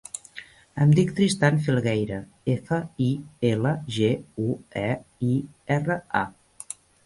Em dic Tristan Filgueira: efa, i, ela, ge, u, e, i, erra, a.